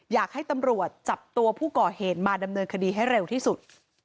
อยากให้ตำรวจจับตัวผู้ก่อเหตุมาดำเนินคดีให้เร็วที่สุด